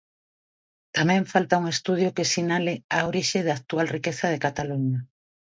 Tamén falta un estudio que sinale a orixe da actual riqueza de Cataluña.